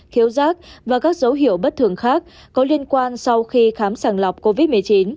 thiếu rác và các dấu hiệu bất thường khác có liên quan sau khi khám sàng lọc covid một mươi chín